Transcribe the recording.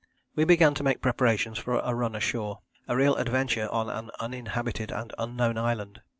We began to make preparations for a run ashore a real adventure on an uninhabited and unknown island.